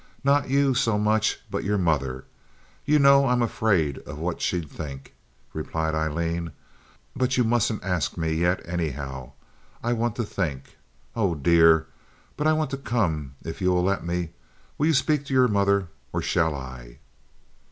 Not you, so much, but your mother. You know, I'm afraid of what she'd think," replied Aileen. "But, you mustn't ask me yet, anyhow. I want to think. Oh, dear! But I want to come, if you'll let me. Will you speak to your mother, or shall I?"